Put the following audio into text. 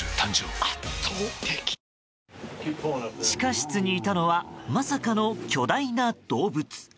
地下室にいたのはまさかの巨大な動物。